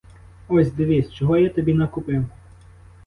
Ось дивись, чого я тобі накупив!